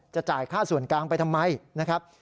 จ่ายค่าส่วนกลางไปทำไมนะครับ